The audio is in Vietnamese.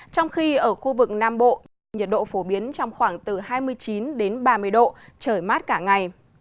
trong khi ở khu vực nam bộ nhiệt độ phổ biến trong khoảng từ hai mươi chín đến ba mươi độ trời mát cả ngày